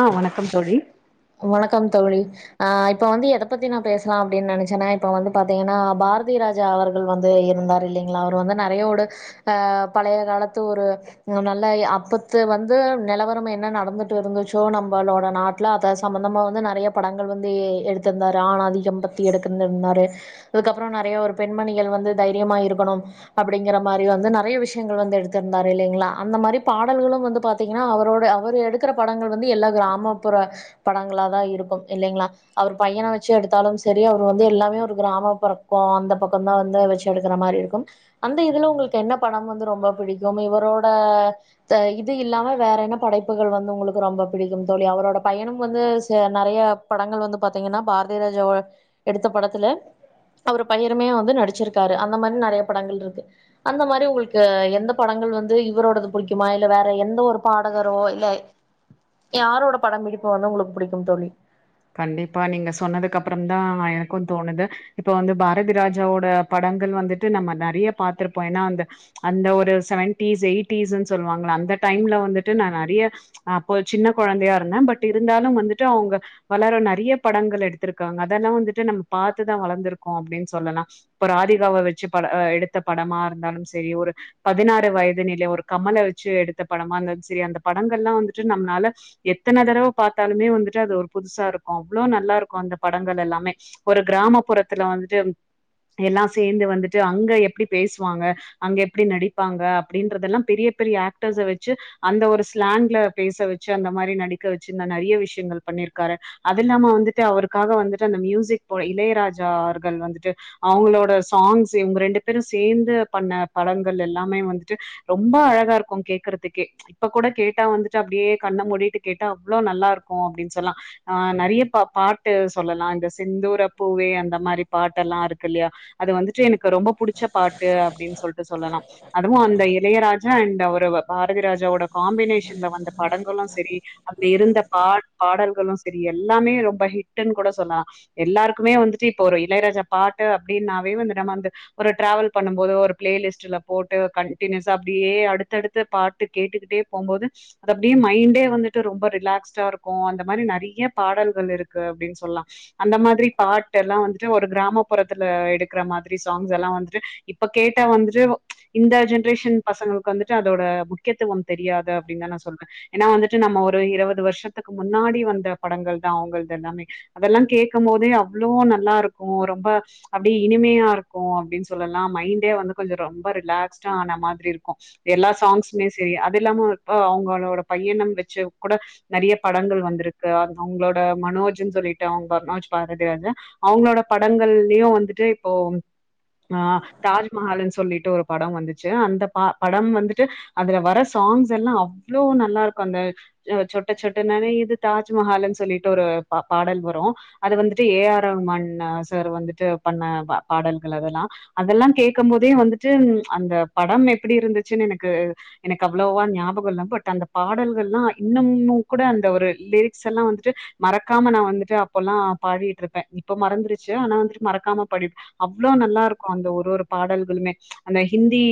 ஆ வணக்கம் தோழி வணக்கம் தோழி ஆ இப்ப வந்து எத பத்தி நா பேசலா அப்டின்னு நெச்சேன்னா இப்ப வந்து பாத்தீங்கன்னா பாரதியரா ஜா அவர்கள் வந்து இருந்தார் இல்லீங்களா அவர் வந்து நெறையோட அ பழைய காலத்து ஒரு நல்ல அப்பத்து வந்து நிலவரம் என்ன நடந்து ட்டு இருந்துச்சோ நம்மளோட நாட்டல அத சம்பந்தமா வந்து நெறைய படங்கள் வந்து எ எடுத்திருந்தாரு ஆணாதிக்கம்ன்ற த்தி எடுக்க இருந்தாரு அதுக்கப்புற நெறைய ஒரு பெண்மணிகள் வந்து தைரியமா இருக்கணு அப்டிங்கிற மாரி வந்து நெறய விஷயங்கள் வந்து எடுத்திருந்தாரு இல்லங்களா அந்த மாரி பாடல்களு வந்து பா த்தீங்கன்னா அவரோட அவர் எடுக்கிற படங்கள் வந்து எல்லா கிராமப்புற படங்கள தா இருக்கு இல்லங்களா அவர் பையனை வச்சு எடுத்தாலும் சரி அவர் வந்து எல்லாமே ஒரு கிராம பறக்கோ அந்த பக்கம்தா வந்து வச்சு எடுக்கிற மாரி இருக்கு அந்த இதுல உங்களுக்கு என்ன படம் வந்து ரொம்ப பிடிக்கும் இவரோட த இது இல்லாம வேற என்ன படைப்புகள் வந் து உங்களுக்கு ரொம்ப புடிக்கும் தோழி அவரோட பயனு வந்துச் ச நெறைய படங்கள் வந்து பாத்தீங்கன்னா பாரதிராஜா எடுத்த படத்துல அவரு பையனுமே வந்து நடிச்சுருக்காரு அந்த மாரி நெறைய படங்கள் இருக்கு அந்த மாரி உங்களுக்கு எந்த படங்கள் வந்து இவரோடது பிடிக்குமா இல்ல வேற எந்த ஒரு பாடகரோ இல்ல யாரோட படம் இப்ப வந்து உங்களுக்கு புடிக்கும் தோழி கண்டிப்பா நீங்க சொன்னதுக்கு அப்பறம் தா எனக்கு தோணுது இப்ப வந்து பாரதிராஜாவோட படங்கள் வந்துட்டு நம்ம வந்து நெறைய பாத்திருப்போ ஏனா அந்த அந்த ஒரு செவன்டீஸ் எயிட்டிஸ்ன்னு சொல்லுவாங்கள அந்த டைம்ல வந்துட்டு நா நெறைய அப்போ சின்ன கொழந்தையா இருந்தே பட் இருந்தாலு வந்துட்டு அவுங்க வளர நெறைய படங்கள் எடுத்திருக்காங்க அதெல்லா வந்துட்டு நம்ம பாத்துதா வளந்திருக்கோ அப்டின்னு சொல்லலா இப்ப ராதிகாவ வச்சு பட எடுத்த படமா இருந்தாலு செரி ஒரு பதினாறு வயதினிலே ஒரு கமல வச்சு எடுத்த படமா இருந்துலு செரி அந்த படங்கள் எல்லா வந்துட்டு நம்மனால எத்தன தடவ பாத்தாலுமே வந்துட்டு அது ஒரு புதுசா இருக்கு அவ்ளோ நல்லா இருக்கு அந்த படங்கள் எல்லாமே ஒரு கிராமப்புறத்துல வந்துட்டு எல்லா சேந்து வந்துட்டு அங்க எப்டி பேசுவாங்க அங்க எப்டி நடிப்பாங்க அப்டின்றதெல்லா பெரிய பெரிய ஆக்டர்ஸ வச்சு அந்த ஒரு ஸ்லாங்ல பேச வச்சு அந்த மாரி நடிக்க வச்சு நா நெறைய விஷயங்கள் பண்ணிருக் காரு அது இல்லாம வந்துட்டு அவருக்காக வந்துட்டு அந்த மியூசிக் போ இளையராஜா அவர்கள் வந்துட்டு அவங்களோட சாங்ஸ் இவுங்க ரெண்டு பேரும் சேந்து பண்ண படங்கள் எல்லாமே வந்துட்டு ரொம்ப அழகா இருக்கு கேக்கறதுக்கே இப்ப கூட கேட்டா வந்துட்டு அப்டியே கண்ண மூடிட்டு கேட்டா அவ்வளோ நல்லா இருக்கு அப்டின் சொல்லா ஆ நெறிய பா பாட்டு சொல்லலா இந்த செந்தூர பூவே அந்த மாரி பாட்டல்லா இருக்கில்லயா அது வந்துட்டு எனக்கு ரொம்போ புடிச்ச பாட்டு அப்டின் சொல்ட்டு சொல்லலா அதுவு அந்த இளையராஜா அண்டு அவர் பாரதிராஜாவோட காம்பினேஷன்ல வந்த படங்களு செரி அப்டி இருந்த பா பாடல்களு செரி எல்லாமே ரொம்ப ஹிட்டுன் கூட சொல்லலா எல்லாருக்குமே வந்துட்டு இப்போ ஒரு இளையராஜா பாட்டு அப்டின்னாவே வந்து நம்ம அந்த ஒரு டிராவல் பண்ணும் போது ஒரு ப்ளேலிஸ்ட்டுல போட்டு கண்டினியூஸா அப்டியே அடுத்தடுத்து பா ட்டு கேட்டுக்கிட்டே போம்போது அது அப்டியே மைண்டே வந்துட்டு ரொம்ப ரிலாக்ஸ்டா இரு க்கு அந்த மாரி நெறைய பாடல்கள் இருக்கு அப்டின் சொல்லா அந்த மாரி பாட்டெல்லா வந்துட்டு ஒரு கிராமப்புறத்துல எடுக்குற மாதிரி சாங்ஸெல்லா வந்துட்டு இப்ப கேட்டா வந்துட்டு இந்த ஜென்ரேஷன் பசங்களுக்கு வந்துட்டு அதோட முக்கியத்துவம் தெரியாது அப்டின்னு நா சொல்வே ஏனா வந்து ட்டு நம்ம ஒரு இருபது வருஷத்துக்கு முன்னாடி வந்த படங்கள் தா அவுங்கள்தெல்லாமே அதெல்லா கேக்குமோதே அவ்ளோ நல்லா இருக்கு ரொம்ப அப்டியே இனிமையா இருக்கு அப்டின் சொல்லலா மைண்டே வந்து கொஞ்ச ரொம்ப ரிலாக்ஸ்டா ஆன மாதிரி இருக்கு எல்லா சாங்ஸுமே செரி அது இல்லாம இப்ப அவுங்களோட பையனம் வெச்சு கூட நெறிய படங்கள் வந்திருக்கு அவுங்களோட மனோஜின் சொல்லிட்டு அவுங்க மனோஜ் பாரதி வந்து அவுங்களோட படங்கள்யு வந்துட்டு இப்போ அ தாஜ்மஹால்ன் சொல்லிட்டு ஒரு படோ வந்துச்சு அந்த ப படம் வந்துட்டு அதுல வர சாங்ஸெல்லா அவ்ளோ நல்லாருக்கு அந்த அ சொட்ட சொட் ட நனயுது தாஜ்மஹாலுன் சொல்லிட்டு ஒரு ப பாடல் வரு அது வந்துட்டு ஏ ஆர் ரஹ்மான் சார் வந்துட்டு பண்ண ப பாடல்கள் அதெல்லா அதெல்லா கேக்குமோதே வந்துட்டு அந்த படம் எப்டி இருந்துச்சுன்னு எனக்கு எனக்கு அவ்ளோவா ஞாபகல்லா பட் அந்த பாடல்கள்ல்லா இன்னுமும் கூட அந்த ஒரு லிரிக்ஸெல்லா வந்துட்டு மறக்காம நா வந்துட்டு அப்பெல்லா பாடிட்டுருப்பே இப்ப மறந்துருச்சு ஆனா வந்துட்டு மறக்காம பாடி அவ்ளோ நல்லா இருக்கு அந்த ஒரு ஒரு பாடல்களுமே அந்த ஹிந்தி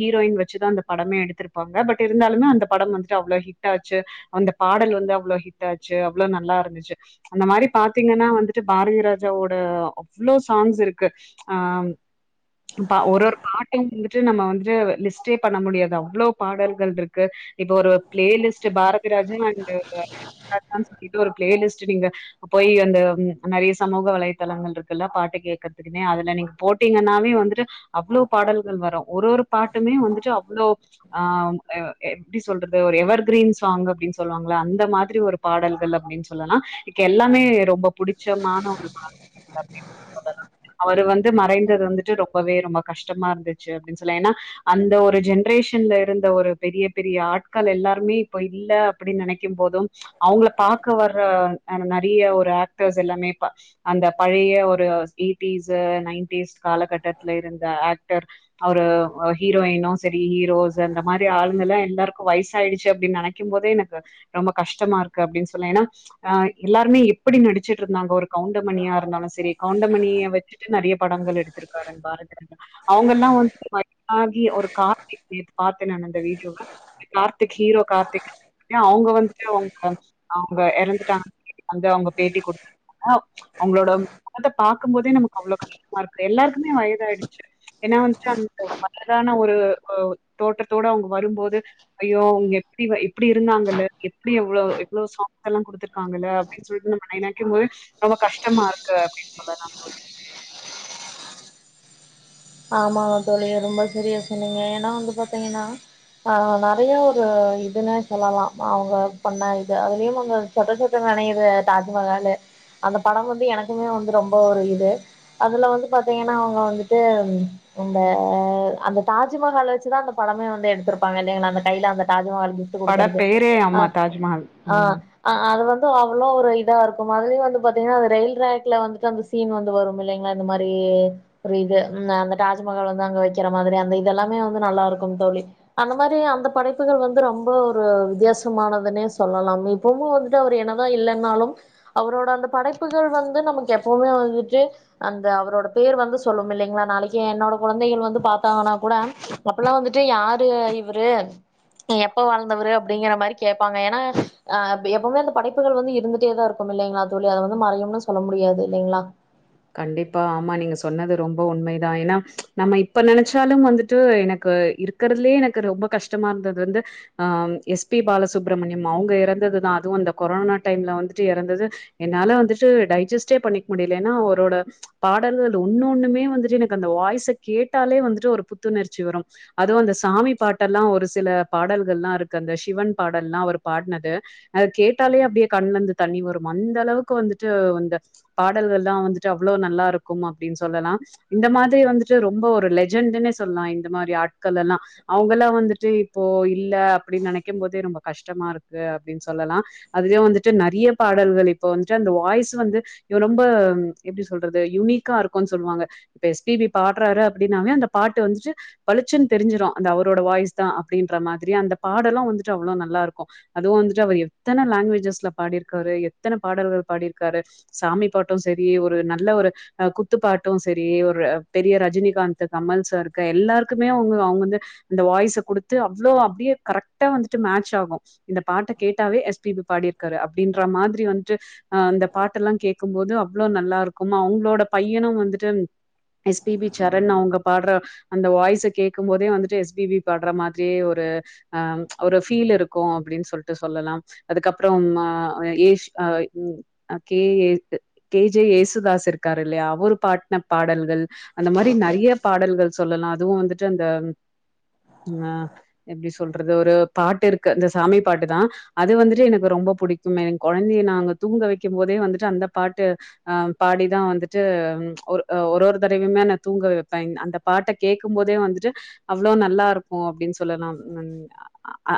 ஹீரோயின் வெச்சுதா அந்த படமே எடுத்திருப்பாங்க பட் இருந்தாலுமே அந்த படம் வந்துட்டு அவ்ளோ ஹிட் ஆச்சு அந்த பாடல் வந்து அவ்ளோ ஹிட் ஆச்சு அவ்ளோ நல்லா இருந்துச்சு அந்த மாரி பாத்தீங்கன்னா வந்து ட்டு பாரதி ராஜாவோட அவ்வளோ சாங்ஸ் இருக்கு ஆ ப்ப ஒரு ஒரு பாட்டு வந்துட்டு நம்ம வந்துட்டு லிஸ்ட்டே பண்ண முடியாது அவ்ளோ பாடல்கள்ட்ருக்கு இப்ப ஒரு பிளே லிஸ்ட் பாரதிராஜா அண்டு இளையராஜான் சொல்லிட்டு ஒரு பிளே லிஸ்ட்டு நீங்க இப்ப போய் அந்த நெறய சமூக வலைதளங்கள்ட்ருக்குல்ல பாட்டு கேக்கற்துக் புனே அதுல நீங்க போட்டீங்கனாவே வந்துட்டு அவ்ளோ பாடல்கள் வரு ஒரு ஒரு பாட்டுமே வந்துட்டு அவ்ளோ ஆ அ எப்டி சொல்றது ஒரு எவர் கிரீன் சாங் அப்டின் சொ சொல்லுவாங்கள அந்த மாதிரி ஒரு பாடல்கள் அப்டின் சொல்லலா எனக்கு எல்லாமே ரொம்ப புடிச்சமான ஒரு பாடல்கள் அப்டின் கூட சொல்லலா அவரு வந்து மறைந்தது வந்துட்டு ரொம்பவே ரொம்ப கஷ்டமா இருந்துச்சு அப்டின் சொல்லா ஏனா அந்த ஒரு ஜென்ரேஷன்ல இருந்த ஒரு பெரிய பெரிய ஆட்கள் எல்லாருமே இப்ப இல்ல அப்டின் நெனைக்கும் போதும் அவுங்கள பாக்க வர அ நெறய ஒரு ஆக்டர்ஸ் எல்லாமே ப அந்த பழய ஒரு எயிட்டிஸு நைன்டீஸ் காலகட்டத்ல இருந்த ஆக்டர் அவரு ஹீரோயினு செரி ஹீரோஸ் அந்த மாரி ஆளுங்கல்லா எல்லாருக்கு வயசாயிடுச்சு அப்டின் நெனக்கும் போதே என கு ரொம்ப கஷ்டமா இருக்கு அப்டின் சொல்ல ஏனா ஆ எல்லாருமே எப்படி நடிச்சுட்ருந்தாங்க ஒரு கவுண்டமணியா இருந்தாலு சரி கவுண்டமணிய வெச்சு ட்டு நெறய படங்கள் எடுத்திருக்காரு பாரதி அவுங்கெல்லா வந்து வயதாகி ஒரு கார்த்தி நேத்து பாத்த நா அந்த வீடியோவ கார்த்திக் ஹீரோ கார்த்திக் அவுங்க வந்துட்டு அவுங்க அவுங்க எறந்துட்டாங்க அந்த அவுங்க பேட்டி குடுத்து தாங்க அவுங்களோட முகத்த பாக்கும் போதே நமக்கு அவ்ளோ கஷ்டமா இருக்கு எல்லாருக்குமே வயது ஆயிடுச்சு ஏனா வந்ட்டு அந்த வயதான ஒரு ஒ தோற்றத்தோட அவுங்க வரும்போது ஐயோ அவுங்க எப்டி இ எப்டி இருந்தாங்கல்ல எப்டி எவ்ளோ எவ்ளோ சாங்ஸ் எல்லா குடுத்துருக்காங்கல அப்டின் சொல்லிட்டு நம்ம நெனைக்கும் போது ரொம்ப கஷ்டமா இருக்கு அப்டின் சொல்லலா தோழி ஆமாங்க தோழி ரொம்ப சரியா சொன்னிங்க ஏனா வந்து பாத்திங்கன்னா ஆ நெறய ஒரு இதுன்னே சொல்லலா அவுங்க பண்ண இது அதுலயும் அங்க சொட்ட சொட்ட நனையுது தாஜ்மஹாலு அந்த படம் வந்து எனக்குமே வந்து ரொம்ப ஒரு இது அதுல வந்து பாத்திங்கன்னா அவுங்க வந்துட்டு ம் அந்த தாஜ்மஹால வெச்சுதா அந்த படமே வந்து எடுத்திருப்பாங்க இல்லைங்களா அந்த கைல அந்த தாஜ்மஹால் எடுத்து பட குடுக்கறது பெயரே ஆமா தாஜ்மஹால். ஆ ம். ஆ ஆ அது வந்து அவ்ளோ ஒரு இதா இருக்கு அதுலயு வந்து பாத்திங்கனா அது ரயில் டிராக்ல வந்துட்டு அந்த சீன் வந்து வரும் இல்லைங்களா இந்த மாரி ஒரு இது ம் அந்த தாஜ்மஹால வந்து அங்க வெக்கிற மாதிரி அந்த இதெல்லாமே வந்து நல்லா இருக்கும் தோழி அந்த மாரி அந்த படைப்புகள் வந்து ரொம்ப ஒரு வித்தியாசமானதுன்னே சொல்லலாமே பொவும் வந்துட்டு அவர் என்னதா இல்லன்னாலும் அவரோட அந்த படைப்புகள் வந்து நமக்கு எப்பவுமே வந்துட்டு அந்த அவரோட பேர் வந்து சொல்லும் இல்லைங்ளா நாளைக்கு என்னோட கொழந்தைகள் வந்து பாத்தாங்கன்னா கூட அப்பலா வந்துட்டு யாரு இவுரு எப்ப வாழ்ந்தவரு அப்டிங்கிற மாரி கேப்பாங்க ஏனா அ எப்பவுமே அந்த படைப்புகள் வந்து இருந்துட்டேதா இருக்கு ம் இல்லைங்களா தோழி அத வந்து மறையும்னு சொல்ல முடியாது இல்லைங்ளா கண்டிப்பா ஆமா நீங்க சொன்னது ரொம்ப உண்மைதா ஏனா நம்ம இப்ப நெனச்சாலும் வந்துட்டு எனக்கு இரு க்கிறதுலயே எனக்கு ரொம்ப கஷ்டமா இருந்தது வந்து அ எஸ் பி பாலசுப்ரமணியம் அவங்க எறந்ததுதா அதுவு அந்த கொரோனா டைம்ல வந்துட்டு எறந்தது என்னால வந்துட்டு டைஜஸ்டே பண்ணிக்க முடில ஏன்னா அவரோட பாடல்கள் ஒன்னு ஒண்ணுமே வந்துட்டு எனக்கு அந்த வாய்ஸ கேட்டாலே வந்துட்டு ஒரு புத்துணர்ச்சி வரும் அதும் அந்த சாமி பாட்டெல்லா ஒரு சில பாடல்கல்லா இருக்கு அந்த சிவன் பாடல்லா அவர் பாடுனது அது கேட்டாலே அப்டியே கண்ல இருந்து தண்ணி வரும் அந்த அளவுக்கு வந்துட்டு அந்த பாடல்கல்லா வந்து அவ்ளோ நல்லாருக்கும் அப்டின்னு சொல்லலா இந்த மாரி வந்துட்டு ரொம்ப ஒரு லெஜண்டுன்னே சொல்லா இந்த மாரி ஆட்கள் எல்லா அவங்கெல்லா வந்துட்டு இப்போ இல்ல அப்டின்னு நெனைக்கும் போதே ரொம்ப கஷ்டமா இருக்கு அப்டின் சொல்லலா அதுலயு வந்துட்டு நெறைய பாடல்கள் இப்ப வந்துட்டு அந்த வாய்ஸ் வந்து இவ ரொம்ப எப்டி சொல்றது யுனிக்கா இருக்குன் சொல்வாங்க இப்ப எஸ் பி பி பாடுறாரு அப்டின்னாவே அந்த பாட்டு வந்துட்டு பளிச்சுன் தெரிஞ்சுரு அந்த அவரோட வாய்ஸ்தா அப்டின்ற மாதிரி அந்த பாடலு வந்துட்டு அவ்ளோ நல்லாருக்கு அதுவு வந்துட்டு அவர் எத்தன லாங்வேஜஸ்ல பாடிருக்காரு எத்தன பாடல்கள் பாடிருக்காரு சாமி பாட்டு செரி ஒரு நல்ல ஒரு அ குத்துப்பாட்டு செரி ஒரு பெரிய ரஜினிகாந்த் கமல் சார்க்கு எல்லாருக்குமே அவங்க அவங்க வந்து இந்த வாய்ஸ குடுத்து அவ்ளோ அப்டியே கரெக்டா வந்துட்டு மேட்ச் ஆகு இந்த பாட்ட கேட்டாவே எஸ் பி பி பாடிருக்காரு அப்டின்ற மாதிரி வந்துட்டு அ அந்த பாட்ட எல்லா கேக்கும்போது அவ்ளோ நல்லா இருக்கும் அவுங்களோட பையனும் வந்துட்டு எஸ் பி பி சரண் அவுங்க பாடுற அந்த வாய்ஸ கேக்கும்போதே வந்துட்டு எஸ் பி பி பாடுற மாதிரியே ஒரு அ ஒரு ஃபீல் இருக்கு அப்டின்னு சொல்லிட்டு சொல்லலாம் அதுக்கப்றோ ம அ ஏஜ் அ கே ஏக் கே ஜே ஏஸ் தாஸ் இருக்காரு இல்லயா அவர் பாட்டின பாடல்கள் அந்த மாரி நெறையா பாடல்கள் சொல்லலா அதுவு வந்து ட்டு அந்த அ எப்டி சொல்றது ஒரு பாட்டு இருக்கு இந்த சாமி பாட்டு தா அது வந்துட்டு எனக்கு ரொம்ப புடிக்குமே கொழந்தைய நாங்க தூங்க வைக்கும் போதே வந்துட்டு அந்த பாட்டு அ பாடிதா வந்துட்டு ஒரு ஒரு ஒரு தடவையுமே நா தூங்க வைப்பே அந்த பாட்ட கேக்கும்போதே வந்துட்டு அவ்ளோ நல்லா இருக்கு அப்டின்னு சொல்லலாம்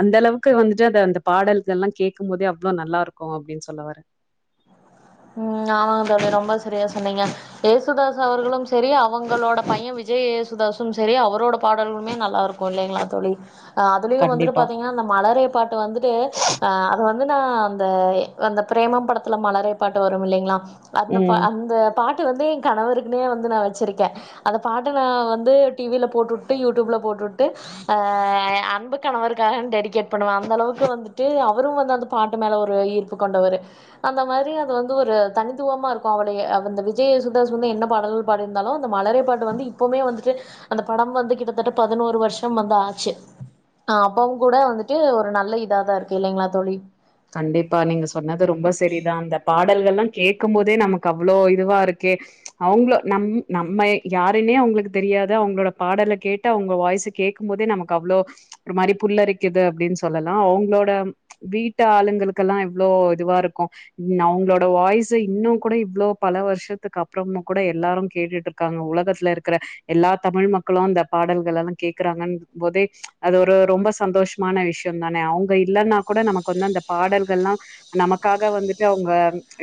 அந்த அளவுக்கு வந்துட்டு அது அந்த பாடல்கள் எல்லா கேக்கும் போதே அவ்ளோ நல்லா இருக்கு அப்டின்னு சொல்லவரே ம் ஆமாங்க தோழி ரொம்ப செரியா சொன்னீங்க இயேசுதாஸ் அவர்களும் செரி அவங்களோட பையே விஜய் ஏயேசுதாசும் செரி அவரோட பாடல்களுமே நல்லா இருக் கு இல்லைங்களா தோழி அதுலயு வந்துட்டு கண்டிப்பா பாத்தீங்கனா அந்த மலரே பாட் ட்டு வந்துட்டு அது வந்து நா அந்த அந்த பிரேமம் படத்துல மலரே பாட்டு வரு இல்லிங்களா அந்த ம் அந்த பாட்டு வந்து ஏ கணவருக்குனே வந்து நா வச்சுருக்கே அந்த பாட்ட நா வந்து டி வி ல போட்டுட் ட்டு யூடியூப்ல போட்டுட்டு அ அ அன்பு கணவருக்காக டெடிகேட் பண்ணுவ அந்தளவுக்கு வந்துட்டு அவரும் வந்து அந்த பாட்டு மேல ஒரு ஈர்ப்பு கொண்டவரு அந்த மாரி வந்து ஒரு தனித்துவமா இருக்கு அவுடய விஜய் ஏசுதாஸ் வந்து என்ன பாடல பாடிந்தாலு மலரே பாட்டு வந்து இ எப்பவுமே வந்துட்டு அந்த படம் வந்து கிட்டத்தட்ட பதினோரு வருஷம் வந்து ஆச்சு ஆ அப்பவும் கூட வந்துட்டு ஒரு நல்ல இதாதா இருக்கு இல்லிங்களா தோழி கண்டிப்பா நீங்க சொன்னது ரொம்ப செரிதா அந்த பாடல்கல்லா கேக்கும்போதே நமக்கு அவ்ளோ இதுவா இருக்கே அவுங்கள நம் நம்ம யாருனே அவங்களுக்கு தெரியாது அவுங்களோட பாடல கேட்டு அவுங்க வாய்ஸ கேக்கும்போதே நமக்கு அவ்ளோ ஒரு மாரி புல்லரிக்குது அப்டின்னு சொல்லலா அவுங்களோட வீட் டாளுங்களுகெல்லா எவ்ளோ இதுவா இருக்கு னவுங்களோட வாய்ஸ இன்னு கூட இவ்ளோ பல வருஷத்துக்கு அப்பறமு கூட எல்லாரு கேட்டுட்டு இருக் க்காங்க உலகத்துல இருக்குற எல்லா தமிழ் மக்களு அந்த பாடல்கள்ள எல்லா கேக்குறாங்கன்னும் போதே அது ஒரு ரொம்ப சந்தோஷமான விஷ்யொ தானே அவங்க இல்லன்னா கூட நமக்கு வந்து அந்த பாடல்கள்லெல்லா நமக்காக வந்துட்டு அவுங்க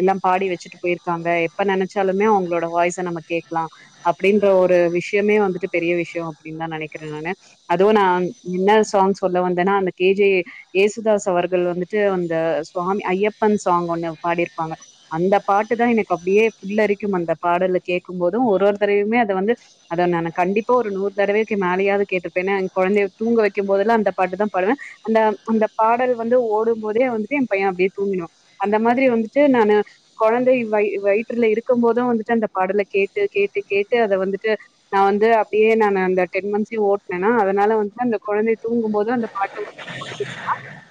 எல்லா பாடி வச்சு போயிருப்பாங்க எப்ப நெனைச்சாலுமே அவங்களோட வாய்ஸ நம்ம கேட்கலா அப்டின்ற ஒரு விஷ்யமே வந்துட பெரிய விஷயோ அப்டின்னு தானு நெனைக்கிறே நா அதுவு நா என்ன சாங் சொல்ல வந்தேன்னா அந்த கே ஜே ஏயேசுதாஸ் அவர் அவுரு வந்துட்டு அந்த சுவாமி ஐயப்பன் சாங் ஒண்ணு பாடிருப்பாங்க அந்த பாட்டு தா எனக்கு அப்டியே புள்ளரிக்கும் அந்த பாடல கேக்கும்போது ஒரு ஒருத்தரையுமே அத வந்து அதா நா கண்டிப்பா ஒரு நூறு தடவைவேக்கு மேலையாது கேட்டிருப்பே கொழந்தையை தூங்க வைக்கும் போதெல்லா அந்த பாட்டு தா பாடுவே அந்த அந்த பாடல் வந்து ஓடும்போதே வந்துட்டு ஏ பையே அப்டியே தூங்கிடுவா அந்த மாதிரி வந்துட்டு நானு கொழந்தை வயி வயிற்றுல இருக்கும் போது வந்துட்டு அந்த பாடல கேட்டு கேட்டு கேட்டு அத வந்துட்டு நா வந்து அப்டியே நானு அந்த டென் மந்த்ஸ்யையு ஓட்னேனா அதனால வந்து அந்த கொழந்தை தூங்கும்போதும் அந்த பாட்ட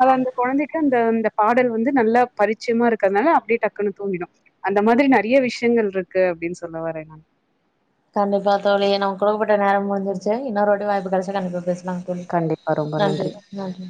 அது அந்த கொழந்தைக்கு அந்த அந்த பாடல் வந்து நல்லா பரிச்சயமா இருக்கறதுனால அப்டியே டக்குன்னு தூங்கிடு அந்த மாதிரி நறைய விஷயங்கள் இருக்கு அப்டின் சொல்ல வறே நானு கண்டிப்பா தோழி நமக்கு குடுக்கப்பட்ட நேரம் முடிஞ்சிருச்சி இன்னொரு வாட்டி வாய்ப்பு கெடைச்சா கண்டிப்பா பேஸ்லா தோழி கண்டிப்பா ரொம்ப நன்றி நன்றி